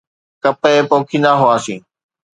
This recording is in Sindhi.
ڪپهه پوکيندا هئاسين.